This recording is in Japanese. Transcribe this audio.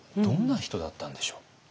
どんな人だったんでしょう？